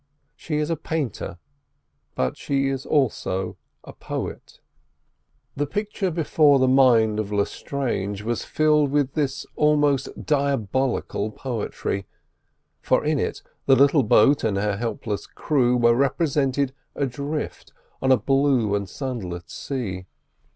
She is a painter, but she is also a poet. The picture before the mind of Lestrange was filled with this almost diabolical poetry, for in it the little boat and her helpless crew were represented adrift on a blue and sunlit sea.